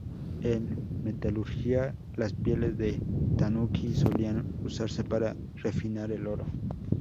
En metalurgia, las pieles de tanuki solían usarse para refinar el oro.